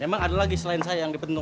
emang ada lagi selain saya yang dipenuh